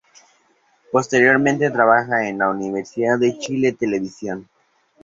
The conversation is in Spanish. Posteriormente trabajó en Universidad de Chile Televisión.